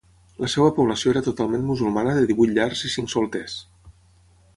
La seva població era totalment musulmana de divuit llars i cinc solters.